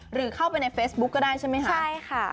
หรือเข้าไปในเฟซบุ๊คก็ได้ใช่ไหมคะใช่ค่ะ